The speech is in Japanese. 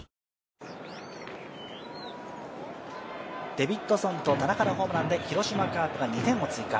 デビッドソンと田中のホームランで広島カープが２点を追加。